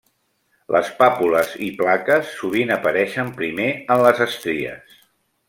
Les pàpules i plaques sovint apareixen primer en les estries.